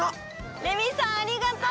レミさんありがとう。